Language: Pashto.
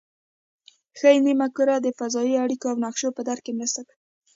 ښي نیمه کره د فضایي اړیکو او نقشو په درک کې مرسته کوي